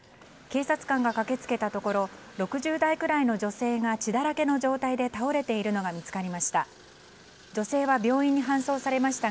警察官が駆けつけたところ６０代くらいの女性が血だらけの状態で倒れているのが見つかりました。